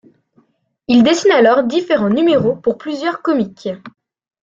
Il dessine alors différents numéros pour plusieurs comics.